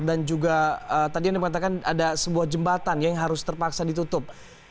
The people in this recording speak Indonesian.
juga tadi anda mengatakan ada sebuah jembatan yang harus terpaksa ditutup